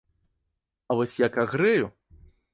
А вось як агрэю!